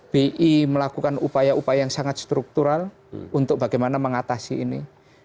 bi melakukan upaya upaya yang sangat struktural untuk bagaimana mengatasi ini